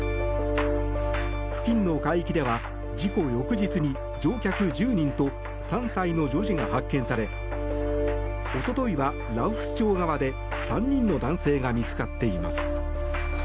付近の海域では事故翌日に乗客１０人と３歳の女児が発見され一昨日は羅臼町側で３人の男性が見つかっています。